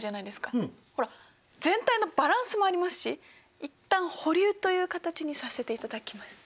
ほら全体のバランスもありますし一旦保留という形にさせていただきます。